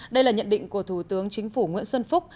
đây là nhận định của thủ tướng chính phủ nguyễn xuân phúc